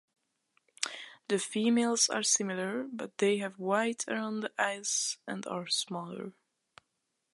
The females are similar, but they have white around the eyes and are smaller.